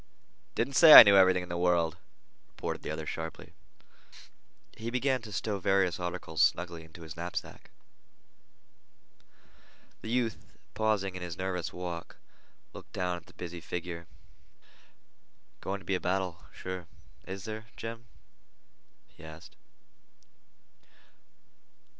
"Didn't say I knew everything in the world," retorted the other sharply. He began to stow various articles snugly into his knapsack. The youth, pausing in his nervous walk, looked down at the busy figure. "Going to be a battle, sure, is there, Jim?" he asked.